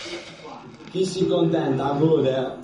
Chi si contenta gode.